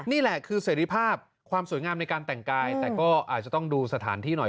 นี่แหละคือเสร็จภาพความสวยงามในการแต่งกายแต่ก็อาจจะต้องดูสถานที่หน่อย